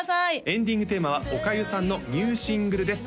エンディングテーマはおかゆさんのニューシングルです